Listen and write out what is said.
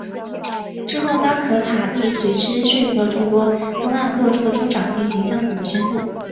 之后拉可塔亦随之说服了众多东岸各州的州长进行相同的宣布。